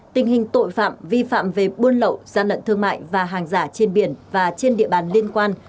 tình hình tội phạm vi phạm về buôn lậu gian lận thương mại và hàng giả trên biển và trên địa bàn liên quan